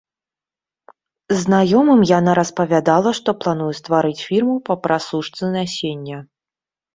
Знаёмым яна распавядала, што плануе стварыць фірму па прасушцы насення.